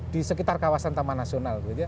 di sekitar kawasan taman nasional